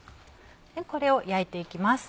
これを焼いていきます。